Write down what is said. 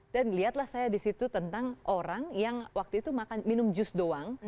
dan lihatlah saya disitu tentang orang yang waktu itu minum jus doang